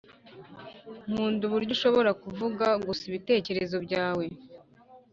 nkunda uburyo ushobora kuvuga gusa ibitekerezo byawe